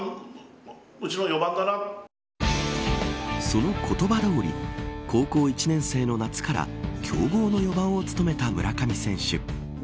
その言葉どおり高校１年生の夏から強豪の４番を務めた村上選手。